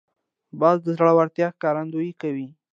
باز د زړورتیا ښکارندویي کوي